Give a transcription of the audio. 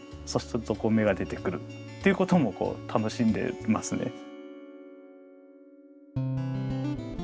そうすると芽が出てくるっていうこともこう楽しんでますね。